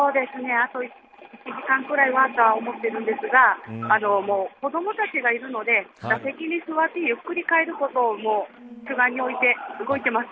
あと１時間ぐらいでと思ってるんですが子どもたちがいるので座席に座ってゆっくり帰ることを主眼に置いて動いてます。